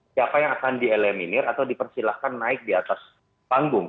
siapa yang akan dieleminir atau dipersilahkan naik di atas panggung